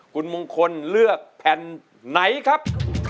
คุณมงคลเลือกแผ่นไหนครับ